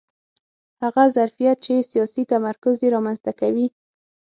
هغه ظرفیت چې سیاسي تمرکز یې رامنځته کوي